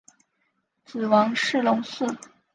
子王士隆嗣。